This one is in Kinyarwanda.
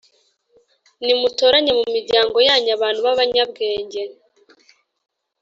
Nimutoranye mu miryango yanyu abantu b abanyabwenge